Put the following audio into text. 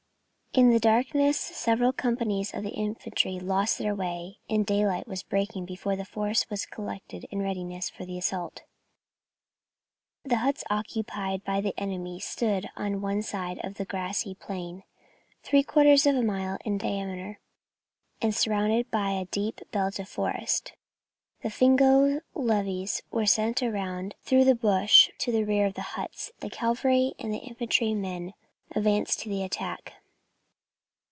In the darkness several companies of the Infantry lost their way, and daylight was breaking before the force was collected and in readiness for the assault. The huts occupied by the enemy stood on one side of a grassy plain, three quarters of a mile in diameter, and surrounded by a deep belt of forest. The Fingo levies were sent round through the bush to the rear of the huts, and the Cavalry and Infantry then advanced to the attack.